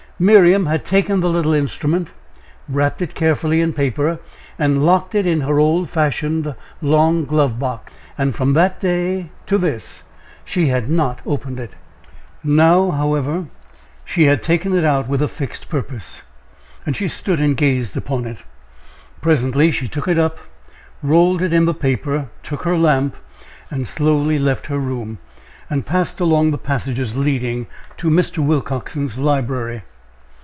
Miriam had taken the little instrument, wrapped it carefully in paper, and locked it in her old fashioned long glove box. And from that day to this she had not opened it. Now, however, she had taken it out with a fixed purpose, and she stood and gazed upon it. Presently she took it up, rolled it in the paper, took her lamp, and slowly left her room, and passed along the passages leading to Mr. Willcoxen's library.